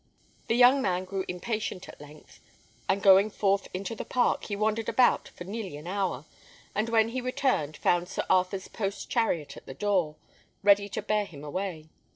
The young man grew impatient at length, and going forth into the park, he wandered about for nearly an hour, and when he returned, found Sir Arthur's post chariot at the door, ready to bear him away.